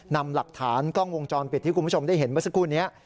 นำหลักฐานกล้องวงจรปิดที่คุณผู้ชมได้เห็นเมื่อสักครู่นี้